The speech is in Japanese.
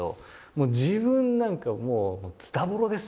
自分なんかもうズタボロですよ。